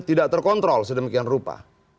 tidak terkontrol sedemikian rupa